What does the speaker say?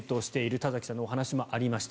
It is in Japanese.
田崎さんのお話もありました。